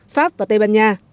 pháp và tây ban nha